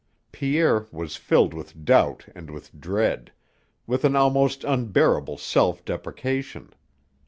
Pierre was filled with doubt and with dread, with an almost unbearable self depreciation.